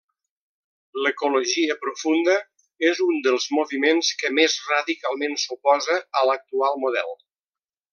L'ecologia profunda és un dels moviments que més radicalment s'oposa a l'actual model.